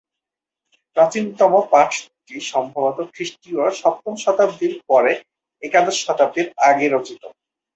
প্রাচীনতম পাঠটি সম্ভবত খ্রিস্টীয় সপ্তম শতাব্দীর পরে একাদশ শতাব্দীর আগে রচিত।